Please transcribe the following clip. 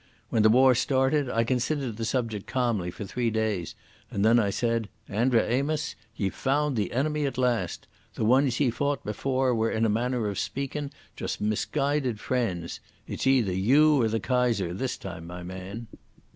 When the war started, I considered the subject calmly for three days, and then I said: 'Andra Amos, ye've found the enemy at last. The ones ye fought before were in a manner o' speakin' just misguided friends. It's either you or the Kaiser this time, my man!